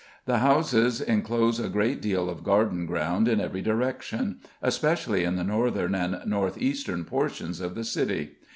The houses enclose a great deal of garden ground in every direction, especially in the northern and north eastern portions of the city.